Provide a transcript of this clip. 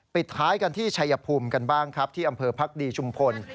ปิดท้ายกันที่ชัยภูมิกันบ้างครับที่อำเภอพักดีชุมพล